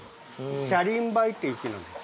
シャリンバイっていう木なんです。